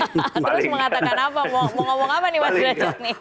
terus mengatakan apa mau ngomong apa nih mas geraja